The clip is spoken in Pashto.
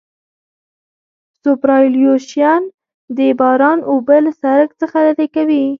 سوپرایلیویشن د باران اوبه له سرک څخه لرې کوي